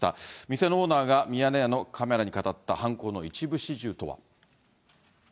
店のオーナーがミヤネ屋のカメラに語った犯行の一部始終とは。